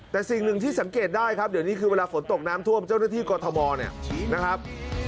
แต่สิ่งหนึ่งที่สังเกตได้ครับเดี๋ยวนี้คือเวลาฝนตกน้ำท่วมเจ้าหน้าที่กรทมเนี่ยนะครับ